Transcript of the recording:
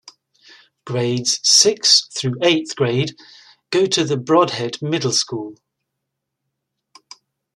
Grades sixth through eighth grade go to the Brodhead Middle School.